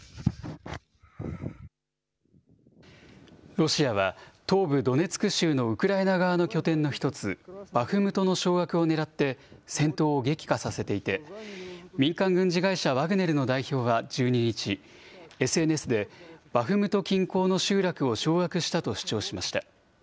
ロシアは東部ドネツク州のウクライナ側の拠点の一つ、バフムトの掌握をねらって、戦闘を激化させていて、民間軍事会社ワグネルの代表は１２日、ＳＮＳでバフムト近郊の集落を掌握したと主張しました。